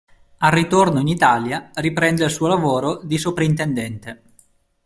Al ritorno in Italia riprende il suo lavoro di soprintendente.